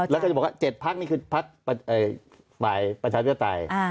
แล้วก็จะบอกว่า๗พักนี่คือพักฝ่ายประชาธิปไตย